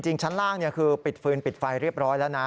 ชั้นล่างคือปิดฟืนปิดไฟเรียบร้อยแล้วนะ